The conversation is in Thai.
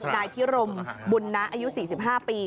นายพิรมบุญนะอายุ๔๕ปี